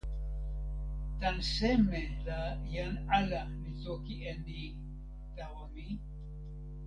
tan seme la jan ala li toki e ni tawa mi?